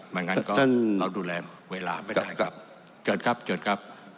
ไม่งั้นก็เราดูแลเวลาไม่ได้ครับเจอร์ครับเจอร์ครับ